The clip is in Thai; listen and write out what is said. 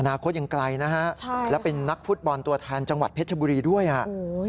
อนาคตยังไกลนะฮะแล้วเป็นนักฟุตบอลตัวแทนจังหวัดเพชรชบุรีด้วยอ่ะโอ้โห